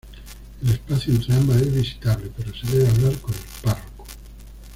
El espacio entre ambas es visitable, pero se debe hablar con el párroco.